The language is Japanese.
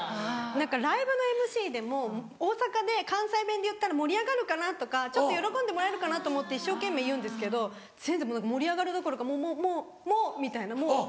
何かライブのＭＣでも大阪で関西弁で言ったら盛り上がるかなとか喜んでもらえるかなと思って一生懸命言うんですけど全然もう盛り上がるどころかもうもうもう！みたいな。